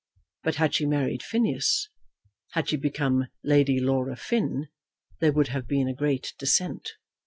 But had she married Phineas, had she become Lady Laura Finn, there would have been a great descent.